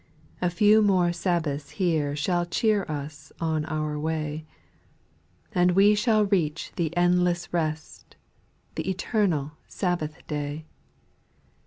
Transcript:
6. A few more sabbaths here Shall cheer us on our way ; And we shall reach the endless rest, The eternal Sabbath day.